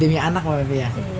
demi anak mbak pepe ya